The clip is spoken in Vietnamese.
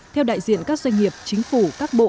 theo đại diện các doanh nghiệp chính phủ các bộ